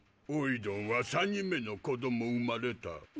おいどんは３人目の子供産まれた。